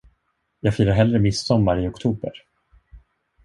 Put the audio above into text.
Jag firar hellre midsommar i oktober.